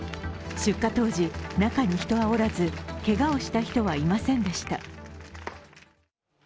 出火当時、中に人はおらずけがをした人はいませんでした。